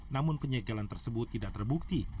namun penyegelan tersebut tidak terbukti